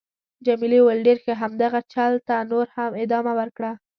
جميلې وويل:: ډېر ښه. همدغه چل ته نور هم ادامه ورکړه.